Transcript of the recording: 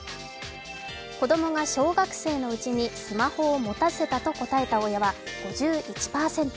子供が小学生のうちにスマホを持たせたと答えた親は５１％。